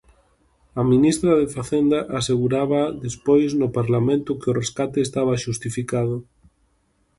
A ministra de Facenda aseguraba despois no Parlamento que o rescate estaba xustificado.